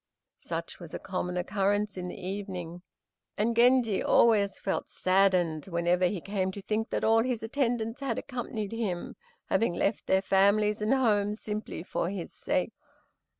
Such was a common occurrence in the evening, and Genji always felt saddened whenever he came to think that all his attendants had accompanied him, having left their families and homes simply for his sake.